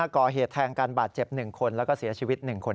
ก่อเหตุแทงการบาดเจ็บ๑คนแล้วก็เสียชีวิต๑คน